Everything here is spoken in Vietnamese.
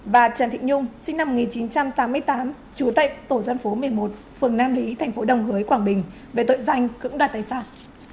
và trần thị nhung sinh năm một nghìn chín trăm tám mươi tám trú tại tổ dân phố một mươi một phường nam lý tp đồng hới quảng bình về tội danh cưỡng đoạt tài sản